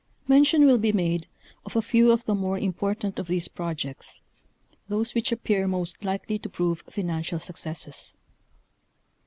Mention will be made of a few of the more important of these projects ; those which appear most likely to prove financial suc cesses.